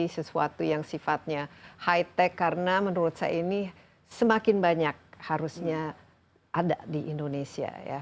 sesuatu yang sifatnya high tech karena menurut saya ini semakin banyak harusnya ada di indonesia ya